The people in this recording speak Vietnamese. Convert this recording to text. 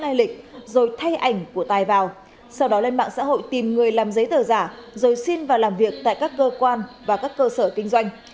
sai lịch rồi thay ảnh của tài vào sau đó lên mạng xã hội tìm người làm giấy tờ giả rồi xin vào làm việc tại các cơ quan và các cơ sở kinh doanh